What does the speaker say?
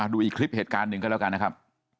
ดูอีกคลิปเหตุการณ์หนึ่งก็แล้วกันนะครับ